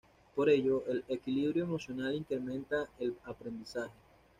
Por ello, el equilibrio emocional incrementa el aprendizaje.